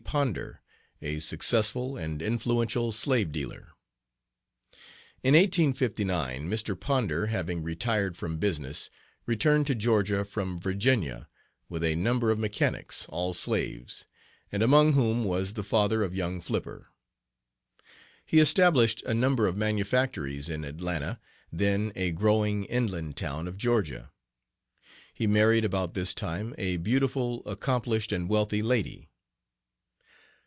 Ponder, a successful and influential slave dealer. In 1859 Mr. Ponder, having retired from business, returned to Georgia from Virginia with a number of mechanics, all slaves, and among whom was the father of young Flipper. He established a number of manufactories in Atlanta, then a growing inland town of Georgia. He married about this time a beautiful, accomplished, and wealthy lady.